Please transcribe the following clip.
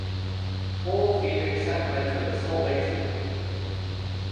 Paul, Phoenix, Sacramento and Salt Lake City.